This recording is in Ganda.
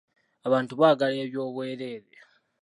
Abantu baagala ebyobwerere.